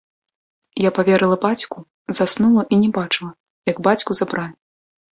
Я паверыла бацьку, заснула і не бачыла, як бацьку забралі.